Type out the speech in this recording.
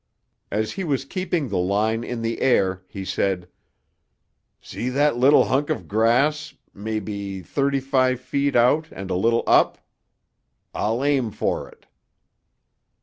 As he was keeping the line in the air, he said, "See that little hunk of grass, maybe thirty five feet out and a little up? I'll aim for it."